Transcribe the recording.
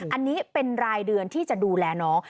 อันนี้เป็นรายเดือนที่จะดูแลน้อง